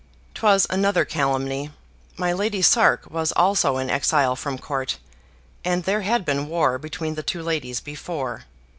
'Twas another calumny. My Lady Sark was also an exile from Court, and there had been war between the two ladies before.